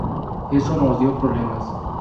Eso nos dio problemas.